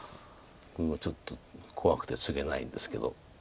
ちょっと怖くてツゲないんですけど。